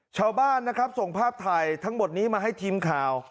ชาวบ้านนะครับส่งภาพถ่ายทั้งหมดนี้มาให้ทีมข่าว